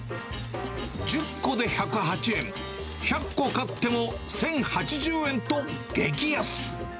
１０個で１０８円、１００個買っても１０８０円と、激安。